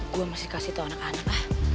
gue masih kasih tahu anak anak